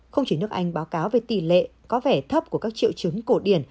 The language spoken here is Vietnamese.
không chỉ nước anh báo cáo về tỷ lệ có vẻ thấp của các triệu chứng cổ điển